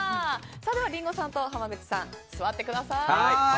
リンゴさんと濱口さん座ってください。